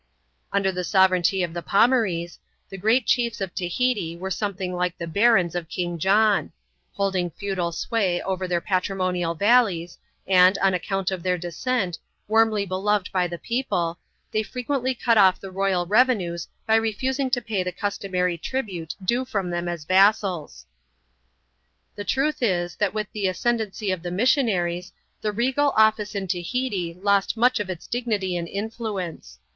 Under the sovereignty of the Pomarees, the great chiefs of Tahiti were something like the barons of King John. Holding feudal sway over their patrimonial valleys, and, on account of their descent, warmly \)eVo\e^ \>^ \\i& ^^qp^^^ ^^i ^x^o^ently CHAP. Lxjtx.] QUEEN POMAREE. Sll cut off the royal revenues bj refusing to pay the customary tribute due from them as TassaLs. The truth is, that with the ascendency of the missionaries, the regal office in Tahiti lost much of its dignity and influence.